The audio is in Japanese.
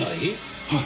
はい。